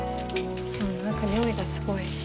何か匂いがすごい。